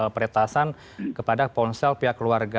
peretasan kepada ponsel pihak keluarga